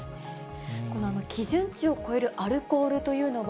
この基準値を超えるアルコールというのは、